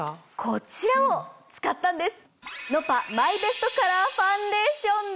こちらを使ったんです。